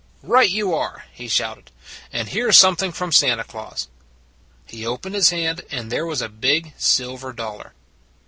" Right you are," he shouted. " And here s something from Santa Claus." He opened his hand, and there was a big silver dollar.